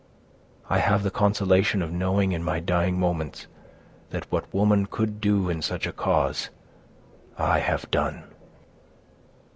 I have the consolation of knowing, in my dying moments, that what woman could do in such a cause, I have done."